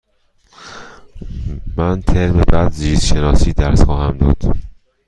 من ترم بعد زیست شناسی درس خواهم داد.